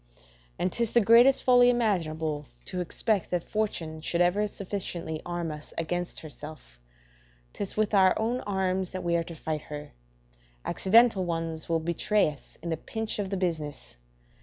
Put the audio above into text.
And 'tis the greatest folly imaginable to expect that fortune should ever sufficiently arm us against herself; 'tis with our own arms that we are to fight her; accidental ones will betray us in the pinch of the business.